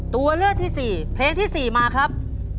ตัวเลือกที่๔เพลงที่๔มาครับ